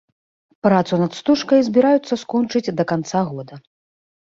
Працу над стужкай збіраюцца скончыць да канца года.